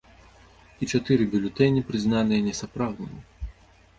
І чатыры бюлетэні прызнаныя несапраўднымі.